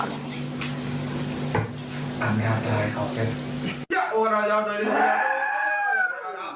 ถ้าให้ลูกหลัดกับปัญญา